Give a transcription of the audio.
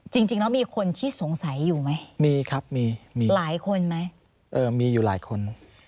จริงแล้วมีคนที่สงสัยอยู่ไหมมีครับมีมีหลายคนไหมเออมีอยู่หลายคน